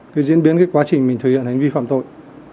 cái diễn biến cái quá trình mình thực hiện hành vi phạm tội